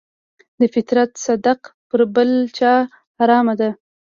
د فطر صدقه پر بل چا حرامه ده.